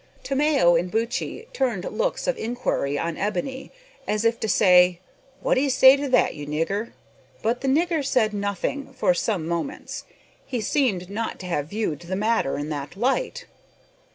Tomeo and Buttchee turned looks of inquiry on Ebony as if to say, "What d'ye say to that, you nigger?" But the nigger said nothing for some moments. He seemed not to have viewed the matter in that light.